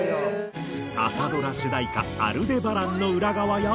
朝ドラ主題歌『アルデバラン』の裏側や。